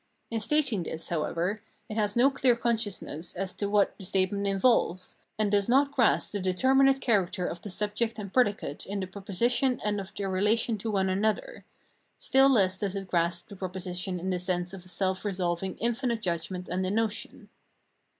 In stating this, however, it has no clear consciousness as to what the statement involves, and does not grasp the de terminate character of the subject and predicate in the proposition and of their relation to one another, still less does it grasp the proposition in the sense of a self resolving infinite judgment and a notion.